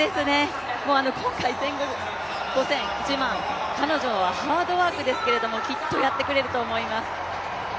今回１５００、１５０００、１００００、彼女はハードワークですがきっとやってくれると思います。